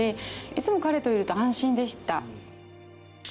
いつも彼といると安心でした。